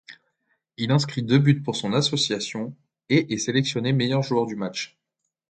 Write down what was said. Il inscrit deux buts pour son association et est sélectionné meilleur joueur du match.